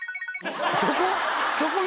そこ？